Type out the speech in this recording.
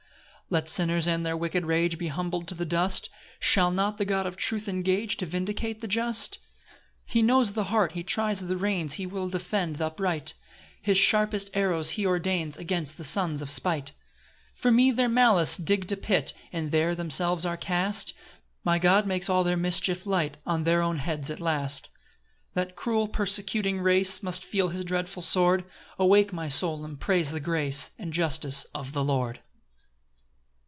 PAUSE. 6 [Let sinners and their wicked rage Be humbled to the dust; Shall not the God of truth engage To vindicate the just? 7 He knows the heart, he tries the reins, He will defend th' upright: His sharpest arrows he ordains Against the sons of spite. 8 For me their malice digg'd a pit, But there themselves are cast; My God makes all their mischief light On their own heads at last.] 9 That cruel persecuting race Must feel his dreadful sword; Awake, my soul, and praise the grace And justice of the Lord.